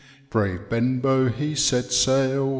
*' Brave Bcnbow he set sail.